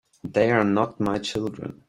They're not my children.